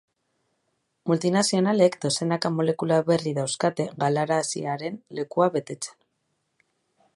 Multinazionalek dozenaka molekula berri dauzkate galaraziaren lekua betetzen.